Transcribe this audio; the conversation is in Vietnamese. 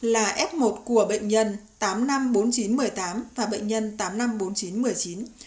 là f một của bệnh nhân tám trăm năm mươi bốn nghìn chín trăm một mươi tám và bệnh nhân tám trăm năm mươi bốn nghìn chín trăm một mươi chín